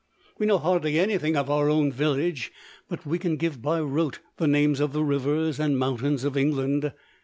We know hardly anything of our own village, but we can give by rote the names of the rivers and mountains of England!